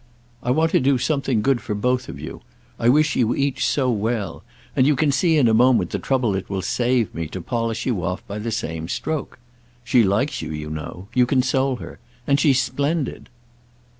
I want to do something good for both of you—I wish you each so well; and you can see in a moment the trouble it will save me to polish you off by the same stroke. She likes you, you know. You console her. And she's splendid."